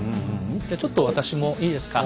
じゃちょっと私もいいですか？